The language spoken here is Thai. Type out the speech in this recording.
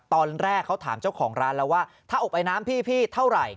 ตอนแรกเขาถามเจ้าของร้านแล้วว่าถ้าอบไอน้ำพี่เท่าไหร่